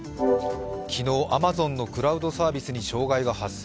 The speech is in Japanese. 昨日、アマゾンのクラウドサービスに障害が発生。